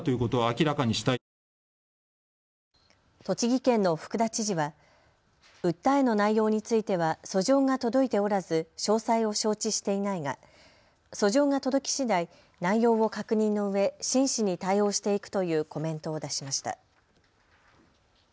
栃木県の福田知事は訴えの内容については訴状が届いておらず詳細を承知していないが訴状が届きしだい内容を確認のうえ真摯に対応していくというコメントを出しました。